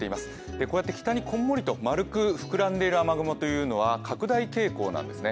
こうやって北にこんもりと丸く膨らんでいる雨雲というのは拡大傾向なんですね。